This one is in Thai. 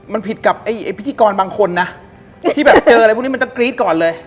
มันผิดกับไอ้พิธีกรบางคนนะที่แบบเจออะไรพวกนี้มันจะกรี๊ดก่อนเลย